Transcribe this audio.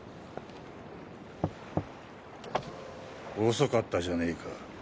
遅かったじゃねぇか。